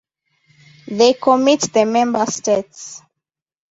They commit the member states.